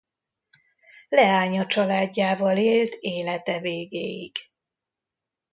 Leánya családjával élt élete végéig.